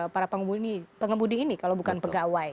para pengemudi ini kalau bukan pegawai